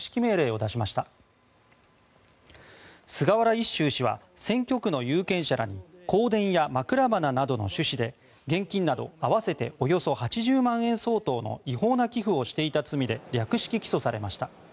一秀氏は選挙区の有権者らに香典や枕花などの趣旨で現金など合わせておよそ８０万円相当の違法な寄付をしていた罪で略式起訴されました。